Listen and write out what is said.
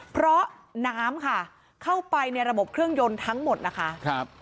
เพราะน้ำค่ะเข้าไปในระบบเครื่องยนต์ทั้งหมดนะคะครับ